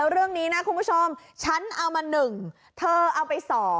เรื่องนี้นะคุณผู้ชมฉันเอามา๑เธอเอาไป๒